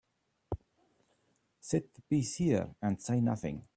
Set the piece here and say nothing.